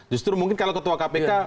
justru mungkin kalau ketua kpk